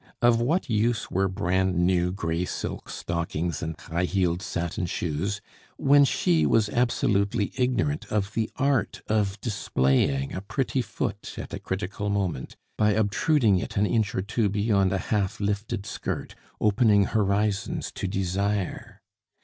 Of what use were brand new gray silk stockings and high heeled satin shoes when she was absolutely ignorant of the art of displaying a pretty foot at a critical moment, by obtruding it an inch or two beyond a half lifted skirt, opening horizons to desire?